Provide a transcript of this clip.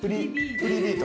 プリビート。